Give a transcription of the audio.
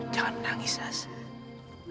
jangan menangis sash